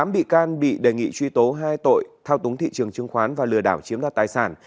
tám bị can bị đề nghị truy tố hai tội thao túng thị trường chứng khoán và lừa đảo chiếm đoạt tài sản